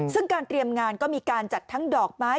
ซึ่งการเตรียมงานก็มีการจัดทั้งดอกไม้